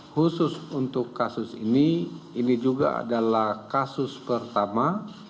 khusus untuk kasus ini ini juga adalah kasus pertama